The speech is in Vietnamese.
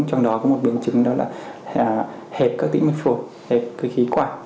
trong đó có một biến chứng đó là hẹp các tĩnh mạch phổi hẹp cái khí quả